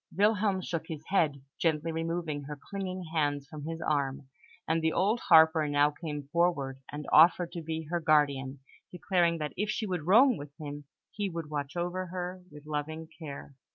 Wilhelm shook his head, gently removing her clinging hands from his arm; and the old harper now came forward and offered to be her guardian, declaring that if she would roam with him, he would watch over her with loving care.